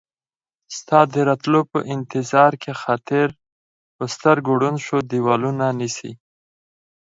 ستا د راتلو په انتظار کې خاطر ، په سترګو ړوند شو ديوالونه نيسي